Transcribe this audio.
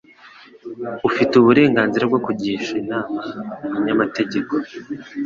Ufite uburenganzira bwo kugisha inama umunyamategeko.